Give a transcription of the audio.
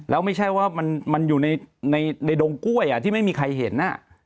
แล้วไม่ใช่ว่ามันอยู่ในดงกล้วยที่ไม่มีใครเห็น